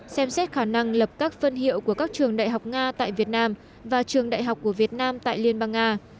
xem xét khả năng lập các phân hiệu của các trường đại học nga tại việt nam và trường đại học của việt nam tại liên bang nga